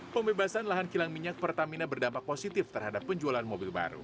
pembebasan lahan kilang minyak pertamina berdampak positif terhadap penjualan mobil baru